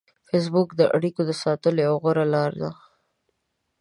فېسبوک د اړیکو د ساتلو یوه غوره لار ده